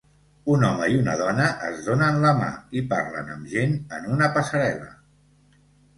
Un home i una dona es donen la mà i parlen amb gent en una passarel·la